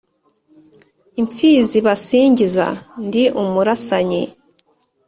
Imfizi basingiza ndi umurasanyi